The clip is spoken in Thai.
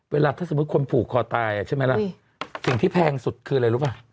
เวลาพูดเขาภูข้อตายสิว่าถึงที่แพงสุดคืออะไรรู้ป่าว